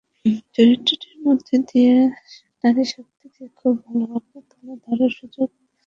চরিত্রটির মধ্য দিয়ে নারীশক্তিকে খুব ভালোভাবে তুলে ধরার সুযোগ আমি পেয়েছি।